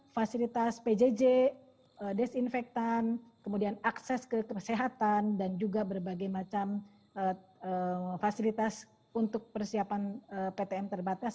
fasilitas pjj desinfektan kemudian akses ke kesehatan dan juga berbagai macam fasilitas untuk persiapan ptm terbatas